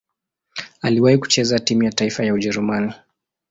Aliwahi kucheza timu ya taifa ya Ujerumani.